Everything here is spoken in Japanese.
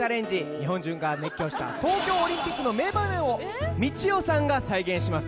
日本中が熱狂した東京オリンピックの名場面をみちおさんが再現します